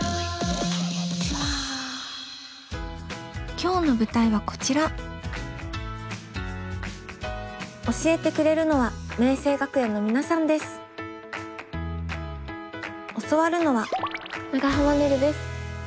今日の舞台はこちら教えてくれるのは教わるのは長濱ねるです。